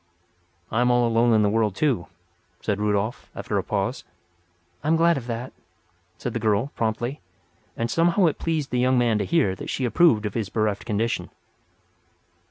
"I am all alone in the world, too," said Rudolf, after a pause. "I am glad of that," said the girl, promptly; and somehow it pleased the young man to hear that she approved of his bereft condition.